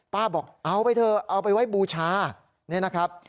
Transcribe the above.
บอกเอาไปเถอะเอาไปไว้บูชานี่นะครับ